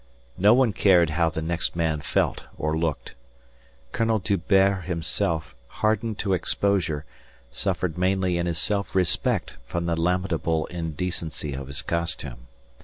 No one cared how the next man felt or looked. Colonel D'Hubert himself hardened to exposure, suffered mainly in his self respect from the lamentable indecency of his costume.